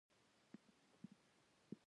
چارمغز د وینې د دوران سیستم ته ګټه رسوي.